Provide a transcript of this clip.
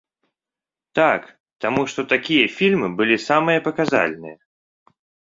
Так, таму што такія фільмы былі самыя паказальныя.